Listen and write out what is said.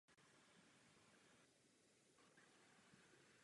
Důležitá odvětví, jako cestovní ruch a průmysl, zaznamenala značné škody.